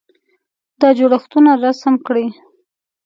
دا جوړښتونه رسم کړئ.